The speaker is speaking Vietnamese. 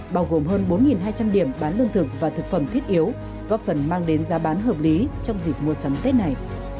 bao gồm hơn bốn hai trăm linh điểm bán lương thực và thực phẩm thiết yếu góp phần mang đến giá bán hợp lý trong dịp mua sắm tết này